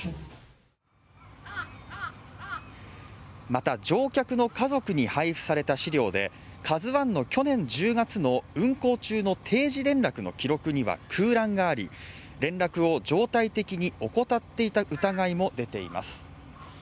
また乗客の家族に配布された資料で「ＫＡＺＵ１」の去年１０月の運航中の定時連絡の記録には空欄があり連絡を常態的に怠っていた疑いも出ています